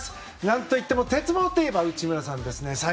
何といっても鉄棒といえば内村さんですね。